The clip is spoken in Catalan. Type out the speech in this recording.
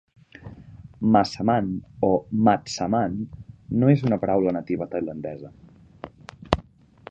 "Massaman" o "matsaman" no és una paraula nativa tailandesa.